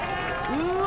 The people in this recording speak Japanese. うわ！